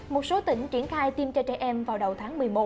một số tỉnh triển khai tiêm cho trẻ em vào đầu tháng một mươi một